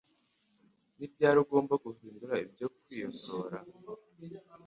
Ni ryari ugomba guhindura ibyo kwiyorosa